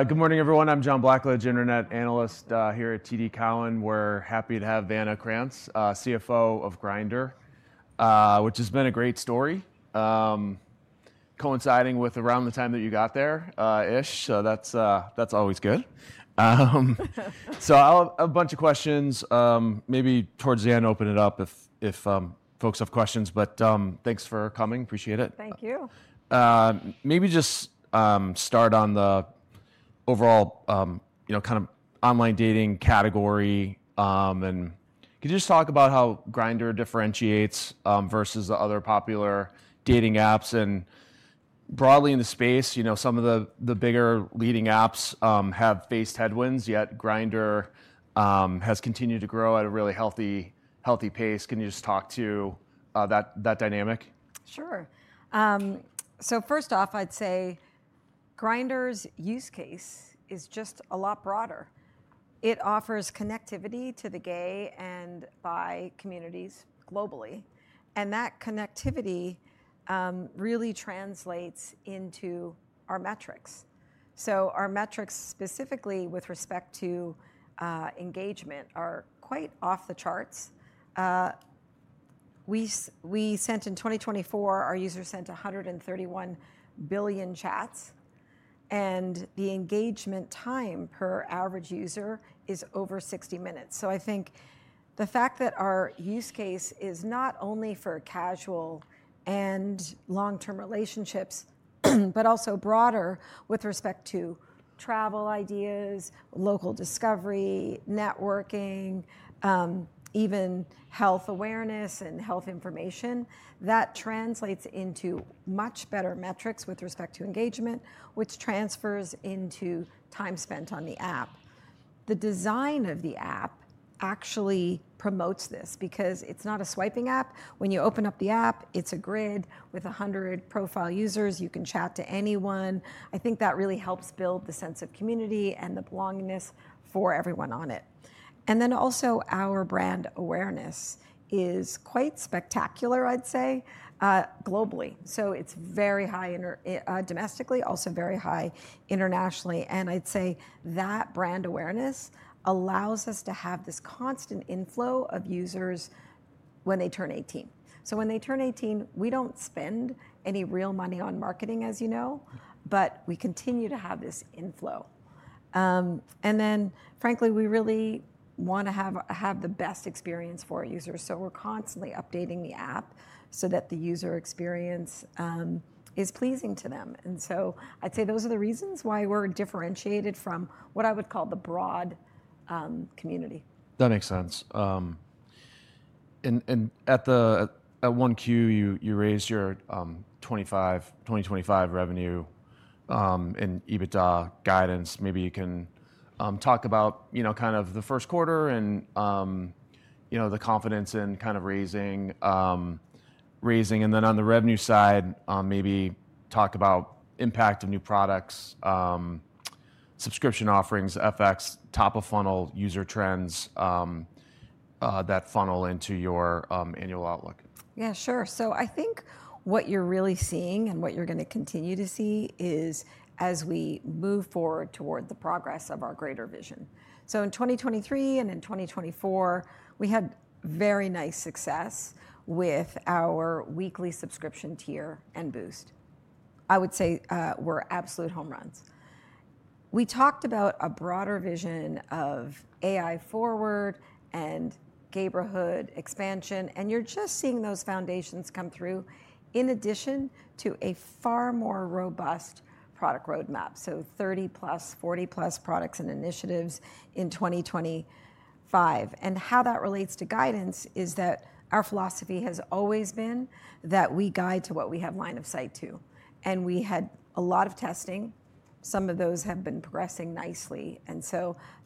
Good morning, everyone. I'm John Blackledge, Internet Analyst here at TD Cowen. We're happy to have Vanna Krantz, CFO of Grindr, which has been a great story, coinciding with around the time that you got there, ish. That's always good. I'll have a bunch of questions. Maybe towards the end, open it up if folks have questions. Thanks for coming. Appreciate it. Thank you. Maybe just start on the overall kind of online dating category. Could you just talk about how Grindr differentiates versus the other popular dating apps? Broadly in the space, some of the bigger leading apps have faced headwinds, yet Grindr has continued to grow at a really healthy pace. Can you just talk to that dynamic? Sure. First off, I'd say Grindr's use case is just a lot broader. It offers connectivity to the gay and bi communities globally. That connectivity really translates into our metrics. Our metrics, specifically with respect to engagement, are quite off the charts. In 2024, our users sent 131 billion chats. The engagement time per average user is over 60 minutes. I think the fact that our use case is not only for casual and long-term relationships, but also broader with respect to travel ideas, local discovery, networking, even health awareness and health information, translates into much better metrics with respect to engagement, which transfers into time spent on the app. The design of the app actually promotes this because it's not a swiping app. When you open up the app, it's a grid with 100 profile users. You can chat to anyone. I think that really helps build the sense of community and the belongingness for everyone on it. Our brand awareness is quite spectacular, I'd say, globally. It is very high domestically, also very high internationally. I'd say that brand awareness allows us to have this constant inflow of users when they turn 18. When they turn 18, we do not spend any real money on marketing, as you know, but we continue to have this inflow. Frankly, we really want to have the best experience for our users. We are constantly updating the app so that the user experience is pleasing to them. I'd say those are the reasons why we are differentiated from what I would call the broad community. That makes sense. At 1Q, you raised your 2025 revenue and EBITDA guidance. Maybe you can talk about kind of the first quarter and the confidence in kind of raising. On the revenue side, maybe talk about the impact of new products, subscription offerings, FX, top of funnel user trends that funnel into your annual outlook. Yeah, sure. I think what you're really seeing and what you're going to continue to see is as we move forward toward the progress of our greater vision. In 2023 and in 2024, we had very nice success with our weekly subscription tier and Boost. I would say we're absolute home runs. We talked about a broader vision of AI forward and gay brotherhood expansion. You're just seeing those foundations come through in addition to a far more robust product roadmap, so 30-plus, 40-plus products and initiatives in 2025. How that relates to guidance is that our philosophy has always been that we guide to what we have line of sight to. We had a lot of testing. Some of those have been progressing nicely.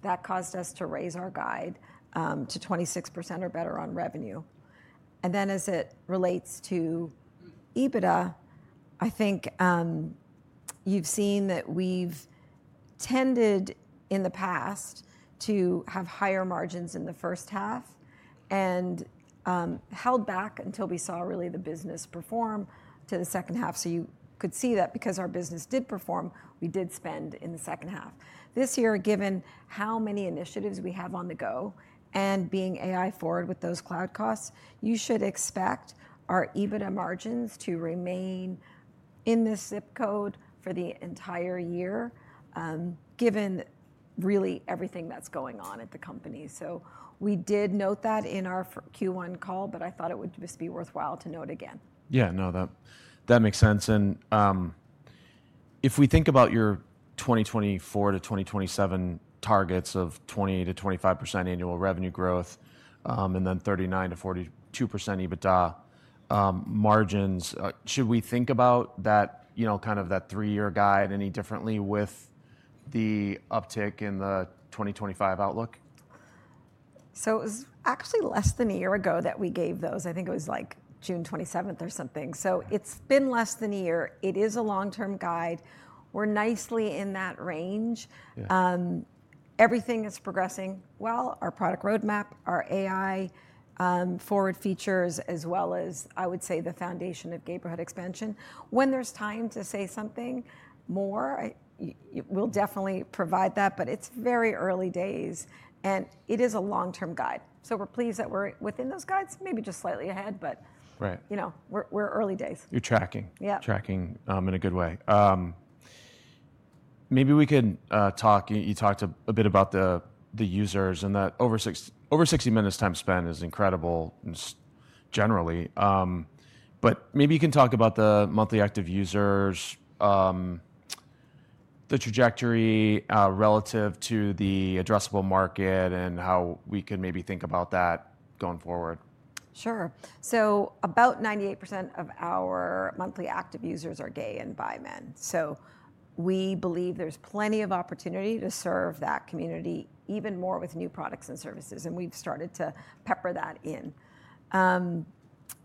That caused us to raise our guide to 26% or better on revenue. As it relates to EBITDA, I think you've seen that we've tended in the past to have higher margins in the first half and held back until we saw really the business perform to the second half. You could see that because our business did perform, we did spend in the second half. This year, given how many initiatives we have on the go and being AI forward with those cloud costs, you should expect our EBITDA margins to remain in this zip code for the entire year, given really everything that's going on at the company. We did note that in our Q1 Call, but I thought it would just be worthwhile to note again. Yeah, no, that makes sense. If we think about your 2024 to 2027 targets of 20%-25% annual revenue growth and then 39%-42% EBITDA margins, should we think about kind of that three-year guide any differently with the uptick in the 2025 outlook? It was actually less than a year ago that we gave those. I think it was like June 27th or something. It has been less than a year. It is a long-term guide. We are nicely in that range. Everything is progressing well: our product roadmap, our AI forward features, as well as, I would say, the foundation of gay brotherhood expansion. When there is time to say something more, we will definitely provide that. It is very early days, and it is a long-term guide. We are pleased that we are within those guides, maybe just slightly ahead, but we are early days. You're tracking. Yeah. Tracking in a good way. Maybe we can talk. You talked a bit about the users, and that over 60 minutes time spent is incredible generally. Maybe you can talk about the monthly active users, the trajectory relative to the addressable market, and how we can maybe think about that going forward. Sure. So about 98% of our monthly active users are gay and bi men. We believe there's plenty of opportunity to serve that community even more with new products and services. We've started to pepper that in.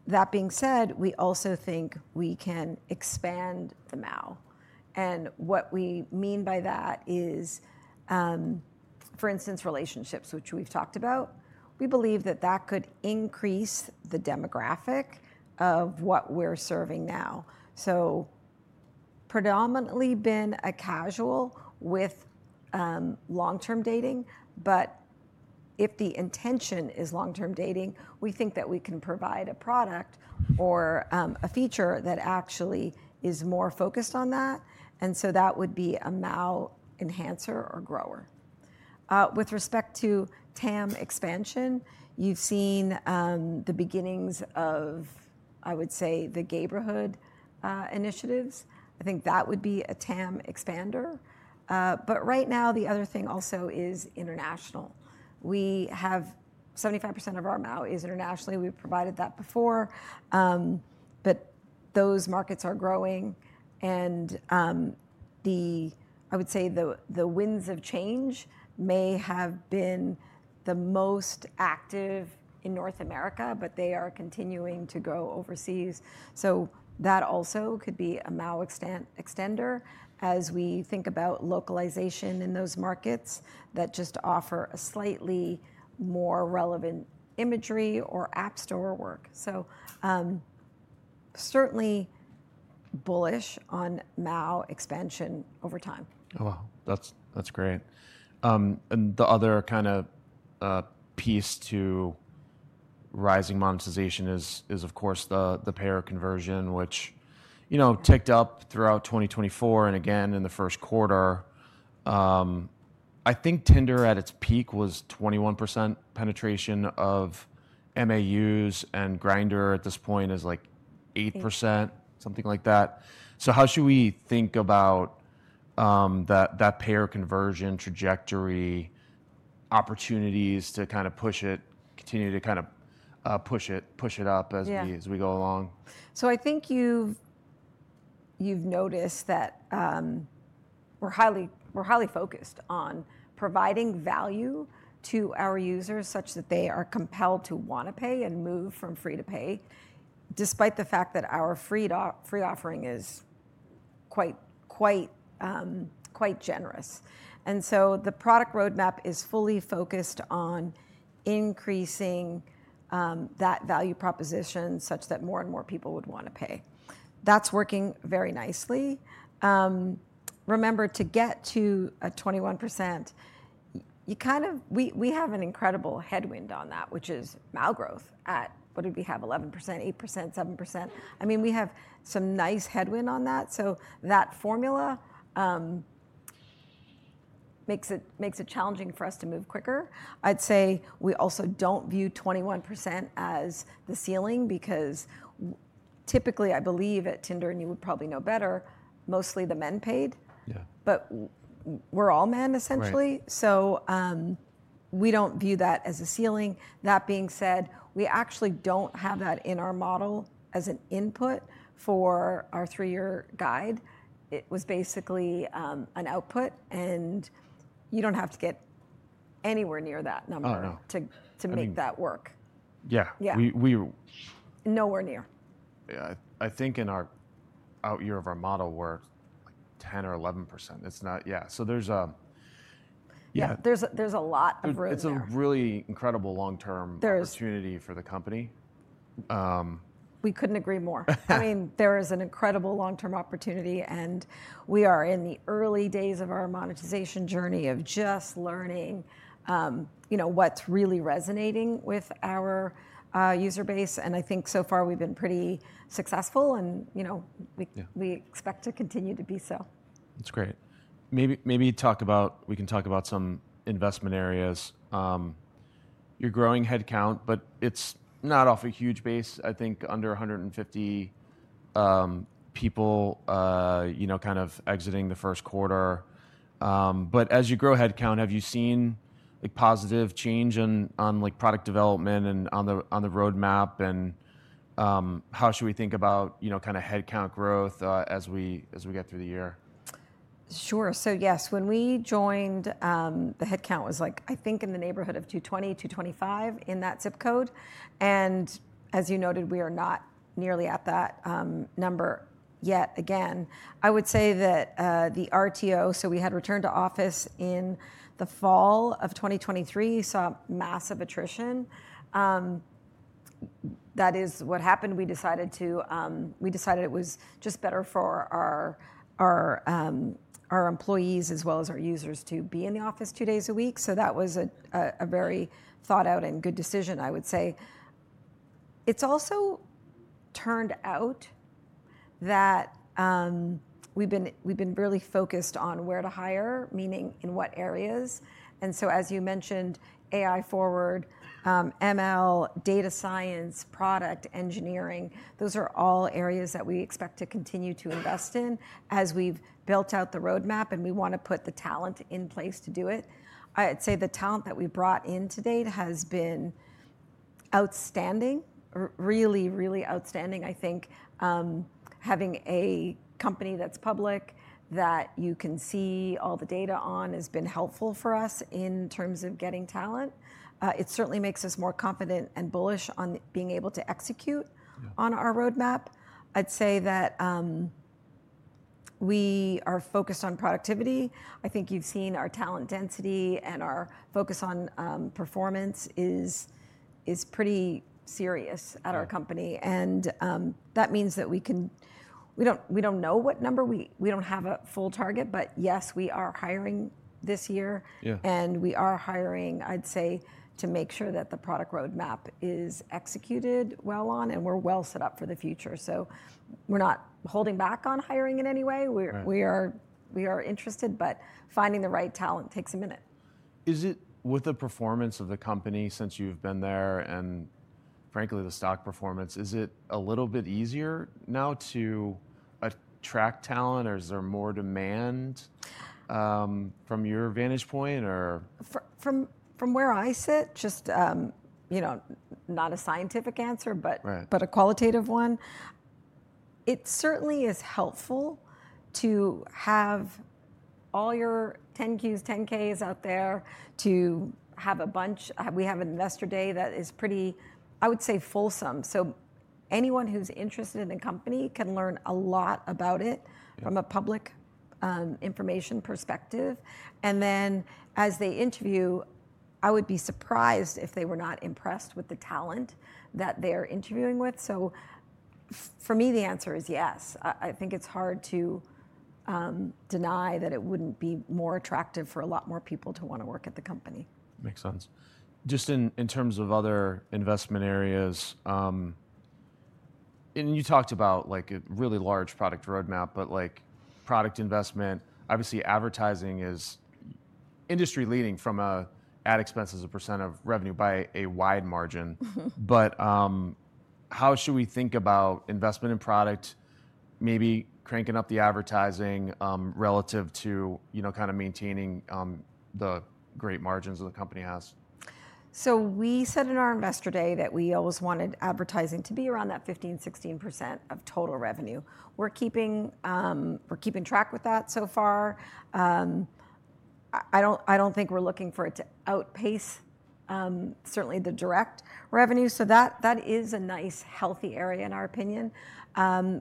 That being said, we also think we can expand the MAU. What we mean by that is, for instance, relationships, which we've talked about. We believe that that could increase the demographic of what we're serving now. It's predominantly been a casual with long-term dating. If the intention is long-term dating, we think that we can provide a product or a feature that actually is more focused on that. That would be a MAU enhancer or grower. With respect to TAM expansion, you've seen the beginnings of, I would say, the gay brotherhood initiatives. I think that would be a TAM expander. Right now, the other thing also is international. We have 75% of our MAU is internationally. We've provided that before. Those markets are growing. I would say the winds of change may have been the most active in North America, but they are continuing to go overseas. That also could be a MAU extender as we think about localization in those markets that just offer a slightly more relevant imagery or app store work. Certainly bullish on MAU expansion over time. Oh, wow. That's great. The other kind of piece to rising monetization is, of course, the payer conversion, which ticked up throughout 2024 and again in the first quarter. I think Tinder at its peak was 21% penetration of MAUs. Grindr at this point is like 8%, something like that. How should we think about that payer conversion trajectory, opportunities to kind of push it, continue to kind of push it up as we go along? I think you've noticed that we're highly focused on providing value to our users such that they are compelled to want to pay and move from free to pay, despite the fact that our free offering is quite generous. The product roadmap is fully focused on increasing that value proposition such that more and more people would want to pay. That's working very nicely. Remember, to get to a 21%, we have an incredible headwind on that, which is MAU growth at, what did we have, 11%, 8%, 7%? I mean, we have some nice headwind on that. That formula makes it challenging for us to move quicker. I'd say we also don't view 21% as the ceiling because typically, I believe at Tinder, and you would probably know better, mostly the men paid. We're all men, essentially. We don't view that as a ceiling. That being said, we actually don't have that in our model as an input for our three-year guide. It was basically an output. You don't have to get anywhere near that number to make that work. Yeah. Nowhere near. Yeah. I think in our out year of our model we're like 10% or 11%. Yeah. So there's. Yeah, there's a lot of room there. It's a really incredible long-term opportunity for the company. We couldn't agree more. I mean, there is an incredible long-term opportunity. We are in the early days of our monetization journey of just learning what's really resonating with our user base. I think so far we've been pretty successful. We expect to continue to be so. That's great. Maybe we can talk about some investment areas. You're growing headcount, but it's not off a huge base. I think under 150 people kind of exiting the first quarter. As you grow headcount, have you seen positive change on product development and on the roadmap? How should we think about kind of headcount growth as we get through the year? Sure. Yes, when we joined, the headcount was like, I think, in the neighborhood of 220, 225 in that zip code. As you noted, we are not nearly at that number yet again. I would say that the RTO, so we had return to office in the fall of 2023, saw massive attrition. That is what happened. We decided it was just better for our employees as well as our users to be in the office two days a week. That was a very thought-out and good decision, I would say. It's also turned out that we've been really focused on where to hire, meaning in what areas. As you mentioned, AI forward, ML, data science, product engineering, those are all areas that we expect to continue to invest in as we've built out the roadmap. We want to put the talent in place to do it. I'd say the talent that we brought in to date has been outstanding, really, really outstanding. I think having a company that's public that you can see all the data on has been helpful for us in terms of getting talent. It certainly makes us more confident and bullish on being able to execute on our roadmap. I'd say that we are focused on productivity. I think you've seen our talent density and our focus on performance is pretty serious at our company. That means that we don't know what number. We don't have a full target. Yes, we are hiring this year. We are hiring, I'd say, to make sure that the product roadmap is executed well on and we're well set up for the future. We're not holding back on hiring in any way. We are interested. But finding the right talent takes a minute. Is it with the performance of the company since you've been there and frankly, the stock performance, is it a little bit easier now to attract talent? Is there more demand from your vantage point? From where I sit, just not a scientific answer, but a qualitative one, it certainly is helpful to have all your 10Qs, 10Ks out there to have a bunch. We have an investor day that is pretty, I would say, fulsome. Anyone who's interested in the company can learn a lot about it from a public information perspective. As they interview, I would be surprised if they were not impressed with the talent that they're interviewing with. For me, the answer is yes. I think it's hard to deny that it wouldn't be more attractive for a lot more people to want to work at the company. Makes sense. Just in terms of other investment areas, and you talked about a really large product roadmap, but product investment, obviously advertising is industry-leading from an ad expense as a % of revenue by a wide margin. How should we think about investment in product, maybe cranking up the advertising relative to kind of maintaining the great margins that the company has? We said in our investor day that we always wanted advertising to be around that 15%-16% of total revenue. We're keeping track with that so far. I don't think we're looking for it to outpace certainly the direct revenue. That is a nice, healthy area in our opinion. There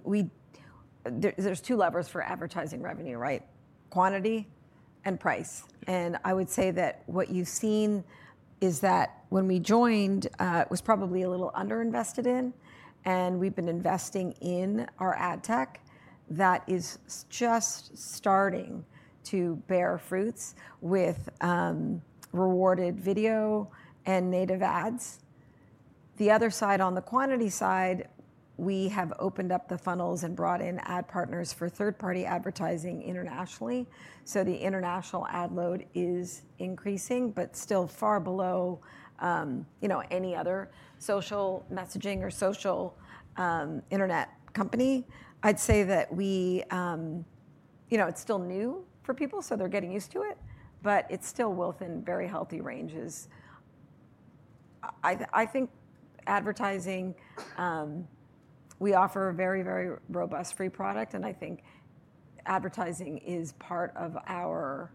are two levers for advertising revenue, right? Quantity and price. I would say that what you've seen is that when we joined, it was probably a little underinvested in. We've been investing in our ad tech that is just starting to bear fruits with rewarded video and native ads. The other side, on the quantity side, we have opened up the funnels and brought in ad partners for third-party advertising internationally. The international ad load is increasing, but still far below any other social messaging or social internet company. I'd say that it's still new for people, so they're getting used to it. It's still within very healthy ranges. I think advertising, we offer a very, very robust free product. I think advertising is part of our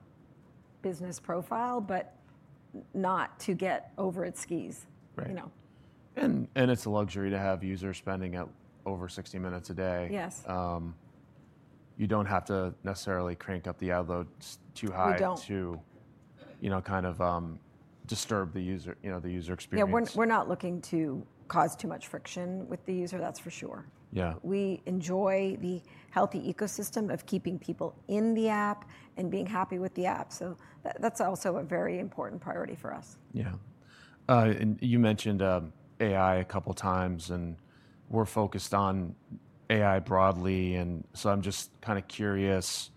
business profile, but not to get over its skis. It's a luxury to have users spending over 60 minutes a day. Yes. You don't have to necessarily crank up the ad load too high to kind of disturb the user experience. Yeah. We're not looking to cause too much friction with the user, that's for sure. Yeah. We enjoy the healthy ecosystem of keeping people in the app and being happy with the app. That is also a very important priority for us. Yeah. You mentioned AI a couple of times. We're focused on AI broadly. I'm just kind of curious,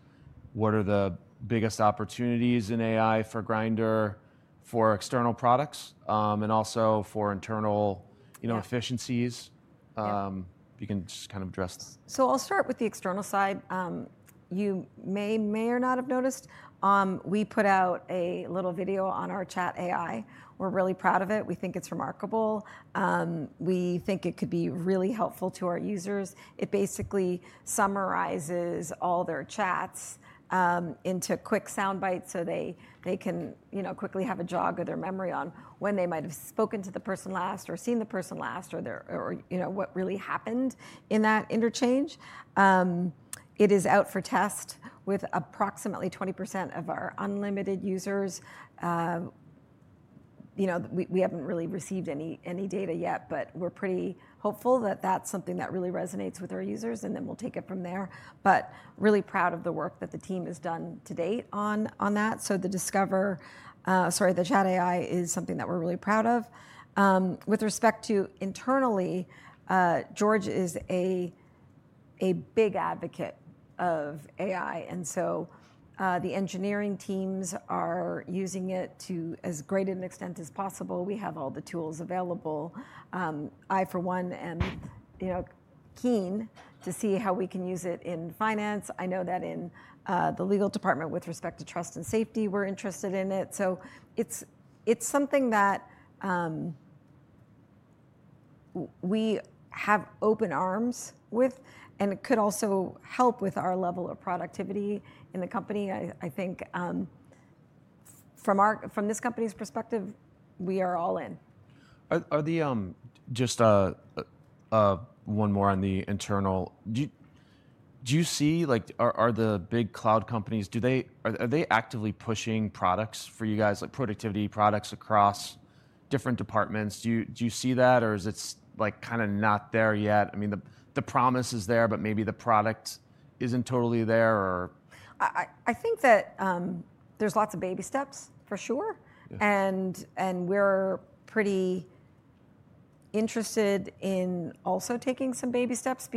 what are the biggest opportunities in AI for Grindr for external products and also for internal efficiencies? If you can just kind of address. I'll start with the external side. You may or may not have noticed, we put out a little video on our Chat AI. We're really proud of it. We think it's remarkable. We think it could be really helpful to our users. It basically summarizes all their chats into quick soundbites so they can quickly have a jog of their memory on when they might have spoken to the person last or seen the person last or what really happened in that interchange. It is out for test with approximately 20% of our unlimited users. We haven't really received any data yet. We're pretty hopeful that that's something that really resonates with our users. We'll take it from there. Really proud of the work that the team has done to date on that. The Discover, sorry, the Chat AI is something that we're really proud of. With respect to internally, George is a big advocate of AI. The engineering teams are using it to as great an extent as possible. We have all the tools available. I, for one, am keen to see how we can use it in finance. I know that in the legal department, with respect to trust and safety, we're interested in it. It's something that we have open arms with. It could also help with our level of productivity in the company. I think from this company's perspective, we are all in. Just one more on the internal. Do you see, are the big cloud companies, are they actively pushing products for you guys, like productivity products across different departments? Do you see that? Or is it kind of not there yet? I mean, the promise is there, but maybe the product isn't totally there, or. I think that there's lots of baby steps, for sure. We're pretty interested in also taking some baby steps.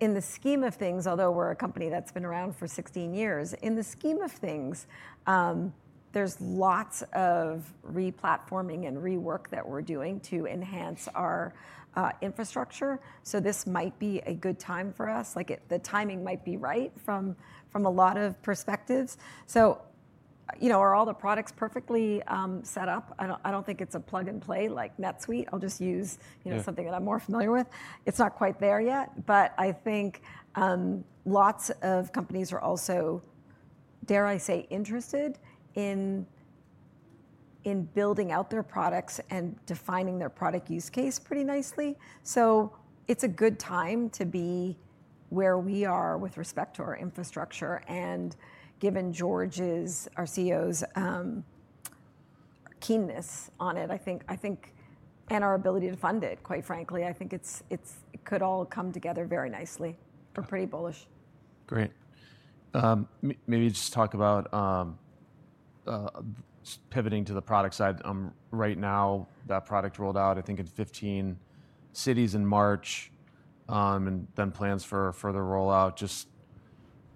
In the scheme of things, although we're a company that's been around for 16 years, in the scheme of things, there's lots of replatforming and rework that we're doing to enhance our infrastructure. This might be a good time for us. The timing might be right from a lot of perspectives. Are all the products perfectly set up? I don't think it's a plug and play like NetSuite. I'll just use something that I'm more familiar with. It's not quite there yet. I think lots of companies are also, dare I say, interested in building out their products and defining their product use case pretty nicely. It's a good time to be where we are with respect to our infrastructure. Given George, our CEO's keenness on it, I think, and our ability to fund it, quite frankly, I think it could all come together very nicely. We're pretty bullish. Great. Maybe just talk about pivoting to the product side. Right Now, that product rolled out, I think, in 15 cities in March and then plans for further rollout. Just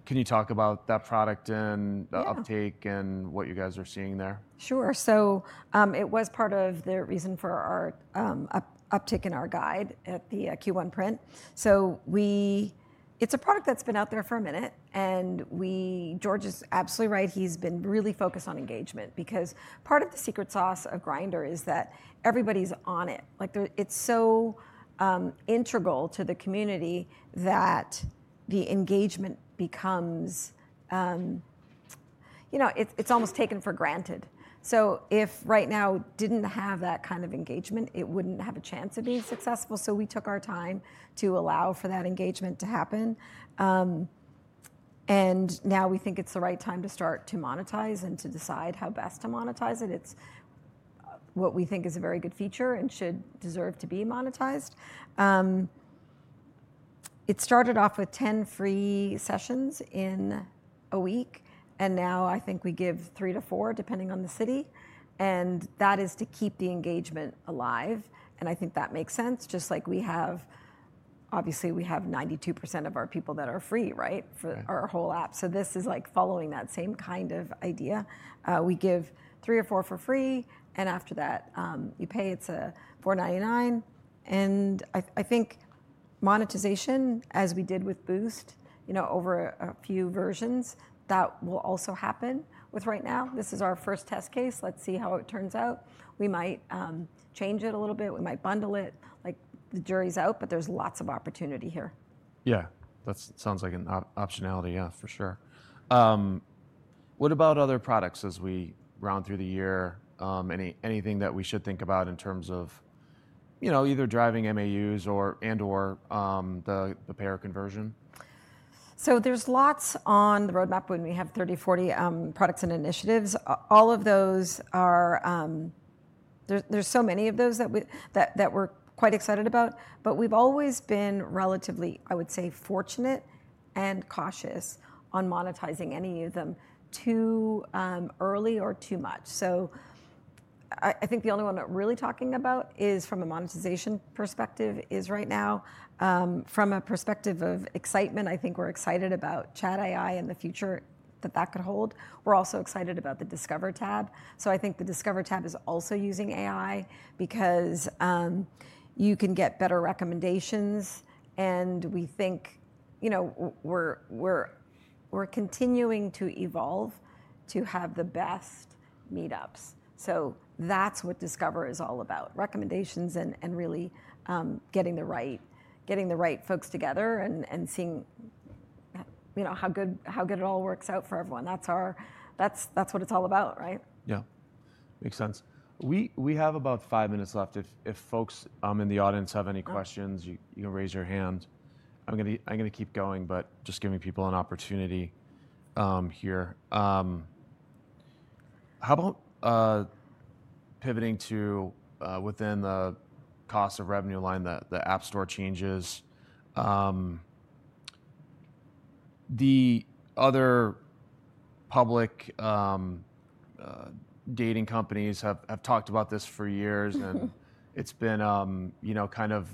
can you talk about that product and uptake and what you guys are seeing there? Sure. It was part of the reason for our uptake in our guide at the Q1 print. It's a product that's been out there for a minute. George is absolutely right. He's been really focused on engagement. Because part of the secret sauce of Grindr is that everybody's on it. It's so integral to the community that the engagement becomes, you know, it's almost taken for granted. If Right Now didn't have that kind of engagement, it wouldn't have a chance of being successful. We took our time to allow for that engagement to happen. Now we think it's the right time to start to monetize and to decide how best to monetize it. It's what we think is a very good feature and should deserve to be monetized. It started off with ten free sessions in a week. I think we give three to four, depending on the city. That is to keep the engagement alive. I think that makes sense. Just like we have, obviously, we have 92% of our people that are free, right, for our whole app. This is like following that same kind of idea. We give three or four for free. After that, you pay. It is $4.99. I think monetization, as we did with Boost over a few versions, that will also happen with Right Now. This is our first test case. Let's see how it turns out. We might change it a little bit. We might bundle it. The jury's out. There is lots of opportunity here. Yeah. That sounds like an optionality, yeah, for sure. What about other products as we round through the year? Anything that we should think about in terms of either driving MAUs and/or the payer conversion? There is lots on the roadmap when we have 30-40 products and initiatives. All of those are, there are so many of those that we're quite excited about. We've always been relatively, I would say, fortunate and cautious on monetizing any of them too early or too much. I think the only one that we're really talking about from a monetization perspective is Right Now. From a perspective of excitement, I think we're excited about Chat AI and the future that that could hold. We're also excited about the Discover tab. I think the Discover tab is also using AI because you can get better recommendations. We think we're continuing to evolve to have the best meetups. That is what Discover is all about, recommendations and really getting the right folks together and seeing how good it all works out for everyone. That's what it's all about, right? Yeah. Makes sense. We have about five minutes left. If folks in the audience have any questions, you can raise your hand. I'm going to keep going, just giving people an opportunity here. How about pivoting to within the cost of revenue line, the App Store changes? The other public dating companies have talked about this for years. It's been kind of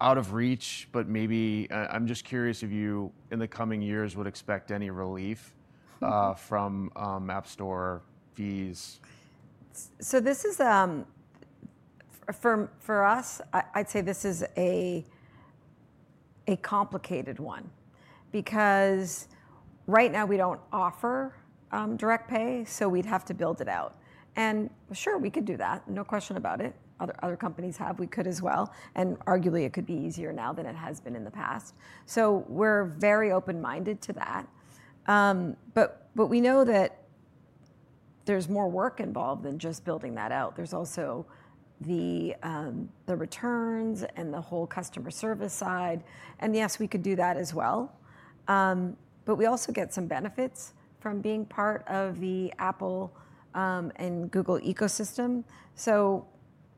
out of reach. Maybe I'm just curious if you, in the coming years, would expect any relief from App Store fees. This is, for us, I'd say this is a complicated one. Because right now we don't offer direct pay. We'd have to build it out. Sure, we could do that. No question about it. Other companies have. We could as well. Arguably, it could be easier now than it has been in the past. We're very open-minded to that. We know that there's more work involved than just building that out. There's also the returns and the whole customer service side. Yes, we could do that as well. We also get some benefits from being part of the Apple and Google ecosystem.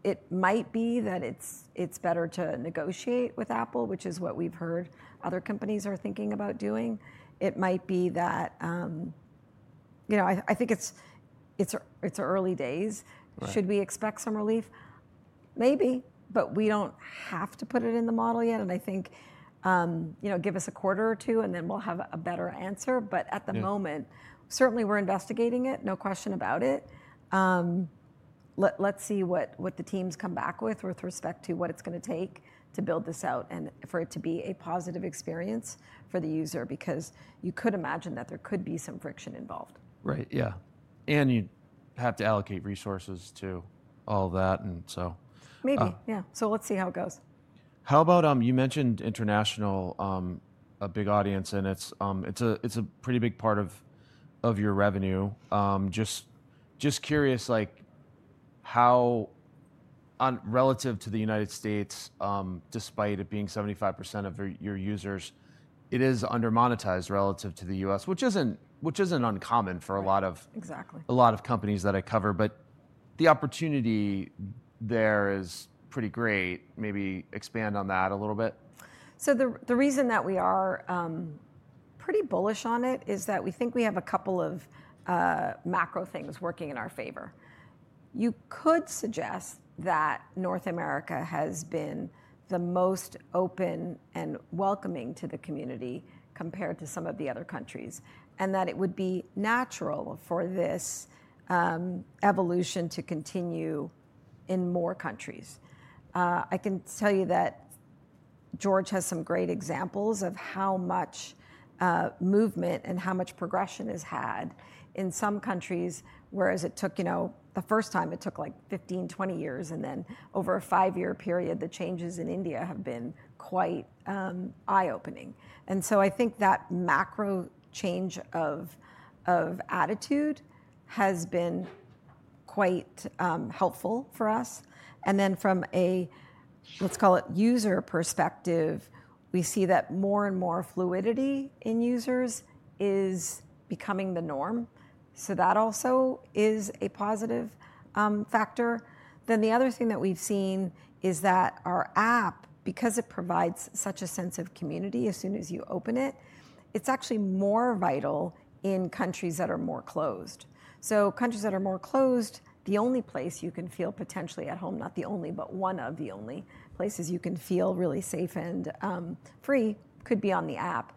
It might be that it's better to negotiate with Apple, which is what we've heard other companies are thinking about doing. It might be that I think it's early days. Should we expect some relief? Maybe. We don't have to put it in the model yet. I think give us a quarter or two, and then we'll have a better answer. At the moment, certainly we're investigating it. No question about it. Let's see what the teams come back with with respect to what it's going to take to build this out and for it to be a positive experience for the user. You could imagine that there could be some friction involved. Right. Yeah. You have to allocate resources to all that, and so. Maybe. Yeah. Let's see how it goes. How about you mentioned international, a big audience. It is a pretty big part of your revenue. Just curious, relative to the United States, despite it being 75% of your users, it is under-monetized relative to the U.S., which is not uncommon for a lot of companies that I cover. The opportunity there is pretty great. Maybe expand on that a little bit. The reason that we are pretty bullish on it is that we think we have a couple of macro things working in our favor. You could suggest that North America has been the most open and welcoming to the community compared to some of the other countries. That it would be natural for this evolution to continue in more countries. I can tell you that George has some great examples of how much movement and how much progression is had in some countries. Whereas it took, the first time, it took like 15-20 years. Then over a five-year period, the changes in India have been quite eye-opening. I think that macro change of attitude has been quite helpful for us. Then from a, let's call it, user perspective, we see that more and more fluidity in users is becoming the norm. That also is a positive factor. The other thing that we've seen is that our app, because it provides such a sense of community as soon as you open it, is actually more vital in countries that are more closed. Countries that are more closed, the only place you can feel potentially at home, not the only, but one of the only places you can feel really safe and free could be on the app.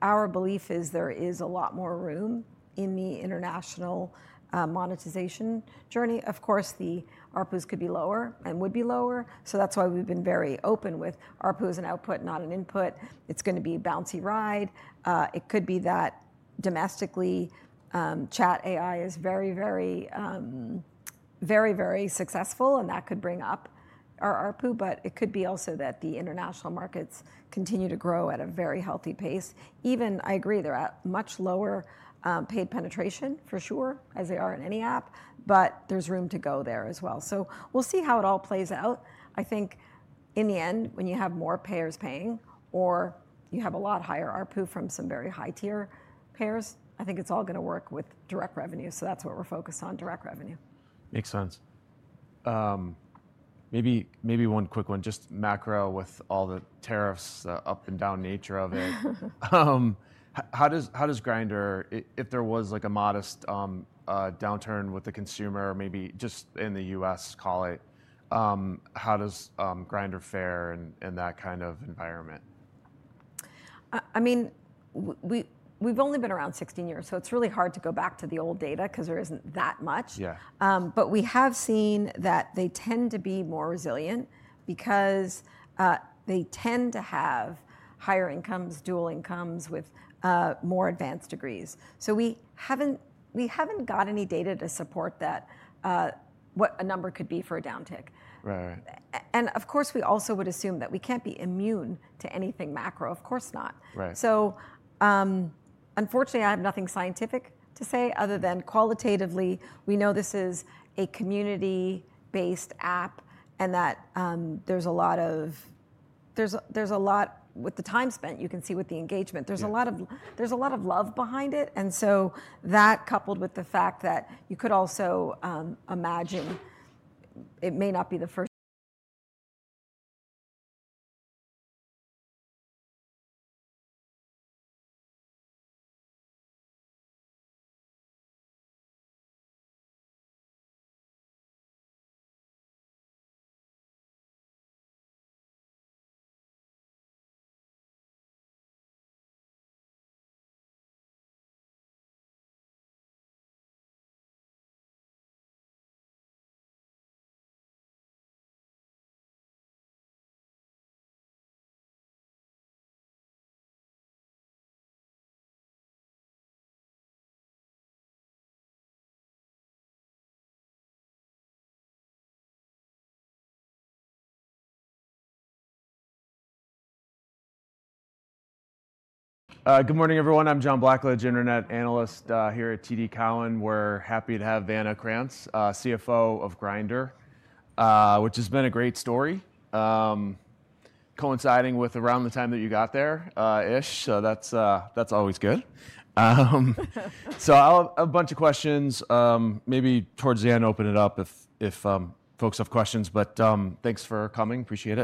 Our belief is there is a lot more room in the international monetization journey. Of course, the ARPUs could be lower and would be lower. That's why we've been very open with ARPU as an output, not an input. It's going to be a bouncy ride. It could be that domestically, Chat AI is very, very, very, very successful. That could bring up our ARPU. It could be also that the international markets continue to grow at a very healthy pace. Even, I agree, they're at much lower paid penetration, for sure, as they are in any app. But there's room to go there as well. We'll see how it all plays out. I think in the end, when you have more payers paying or you have a lot higher ARPU from some very high-tier payers, I think it's all going to work with direct revenue. That's what we're focused on, direct revenue. Makes sense. Maybe one quick one, just macro with all the tariffs, up and down nature of it. How does Grindr, if there was like a modest downturn with the consumer, maybe just in the U.S., call it, how does Grindr fare in that kind of environment? I mean, we've only been around 16 years. It's really hard to go back to the old data because there isn't that much. We have seen that they tend to be more resilient because they tend to have higher incomes, dual incomes with more advanced degrees. We haven't got any data to support what a number could be for a downtick. Of course, we also would assume that we can't be immune to anything macro. Of course not. Unfortunately, I have nothing scientific to say other than qualitatively, we know this is a community-based app. There's a lot of, there's a lot with the time spent, you can see with the engagement. There's a lot of love behind it. That, coupled with the fact that you could also imagine it may not be the first. Good morning, everyone. I'm John Blackledge, Internet Analyst here at TD Cowen. We're happy to have Vanna Krantz, CFO of Grindr, which has been a great story, coinciding with around the time that you got there-ish. That's always good. A bunch of questions. Maybe towards the end, open it up if folks have questions. Thanks for coming. Appreciate it.